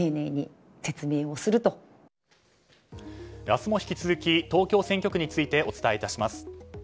明日も引き続き東京選挙区についてお伝え致します。